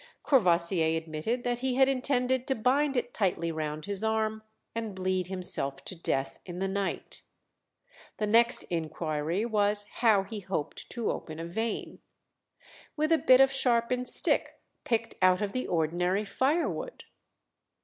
Courvoisier admitted that he had intended to bind it tightly round his arm and bleed himself to death in the night. The next inquiry was how he hoped to open a vein. "With a bit of sharpened stick picked out of the ordinary firewood."